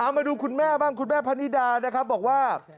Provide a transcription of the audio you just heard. เอามาดูคุณแม่บ้างคุณแม่พันธิดาบอกว่า